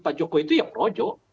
pak jokowi itu ya projo